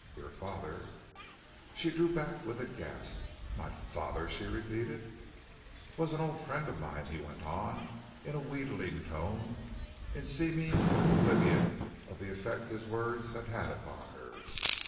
Your father " She drew back with a gasp. "My father " she repeated. "Was an old friend of mine," he went on, in a wheedling tone, in seeming oblivion of the effect his words had had upon her.